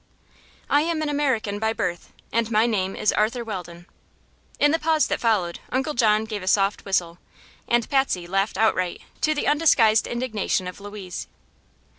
"I am an American by birth, and my name is Arthur Weldon." In the pause that followed Uncle John gave a soft whistle and Patsy laughed outright, to the undisguised indignation of Louise.